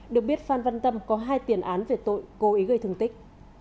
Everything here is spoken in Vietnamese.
được biết phan văn tâm có hai tiền án về tội cố ý gây thương tích